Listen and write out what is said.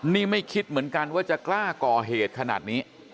นี่ไม่คิดเหมือนกันว่าจะกล้าก่อเหตุขนาดนี้